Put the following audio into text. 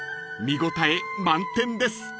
［見応え満点です］